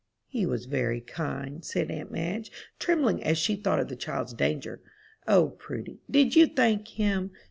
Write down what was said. "He was very kind," said aunt Madge, trembling as she thought of the child's danger. "O Prudy, did you thank him?"